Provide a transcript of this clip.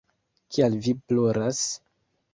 Kial vi ploras?